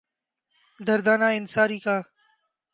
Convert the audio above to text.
دردانہ انصاری کا